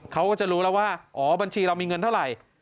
เขาก็จะรู้แล้วว่าอ๋อบัญชีเรามีเงินเท่าไหร่